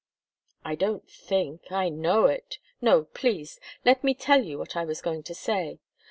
"I don't think I know it. No please! Let me tell you what I was going to say.